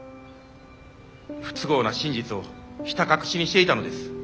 不都合な真実をひた隠しにしていたのです。